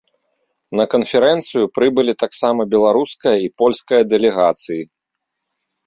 На канферэнцыю прыбылі таксама беларуская і польская дэлегацыі.